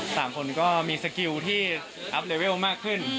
สามคนก็มีสกิลที่อัพเลเวลมากขึ้น